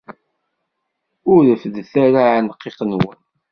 Ur reffdet ara aɛenqiq-nwen!